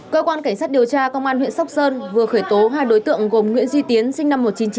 cơ quan cảnh sát điều tra công an huyện sóc sơn vừa khởi tố hai đối tượng gồm nguyễn duy tiến sinh năm một nghìn chín trăm chín mươi